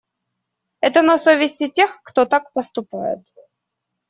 Это на совести тех, кто так поступает.